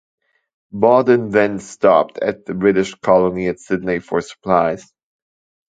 Baudin then stopped at the British colony at Sydney for supplies.